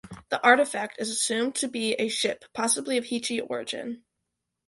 The Artifact is assumed to be a ship, possibly of Heechee origin.